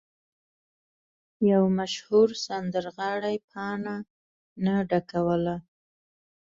یو مشهور سندرغاړی پاڼه نه ډکوله.